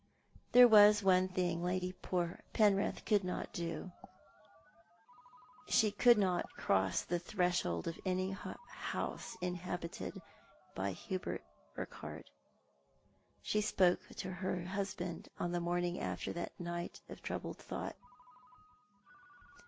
Tliere was one thing Lady Penrith could not do. She could not cross the threshold of any house inhabited by Hubert Urquhart. She spoke to her husband on the morning after that night of troubled thought.